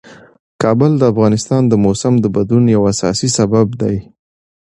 کابل د افغانستان د موسم د بدلون یو اساسي سبب دی.